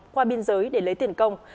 qua biên giới để lấy tiền công